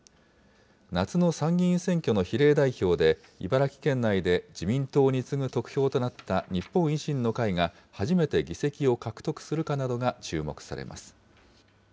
夏の参議院選挙の比例代表で、茨城県内で自民党に次ぐ得票となった日本維新の会が初めて議席を獲得するかなどが注目されます。